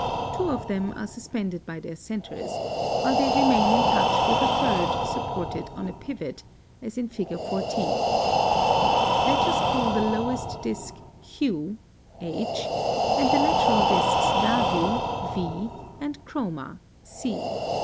Two of them are suspended by their centres, while they remain in touch with a third supported on a pivot, as in Fig. 14. Let us call the lowest disc Hue (H), and the lateral discs Value (V) and Chroma (C).